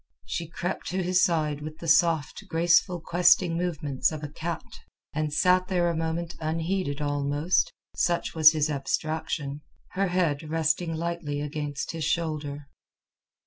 She crept to his side with the soft, graceful, questing movements of a cat, and sat there a moment unheeded almost—such was his abstraction—her head resting lightly against his shoulder.